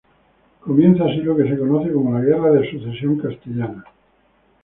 Comienza así lo que se conoce como la Guerra de Sucesión Castellana.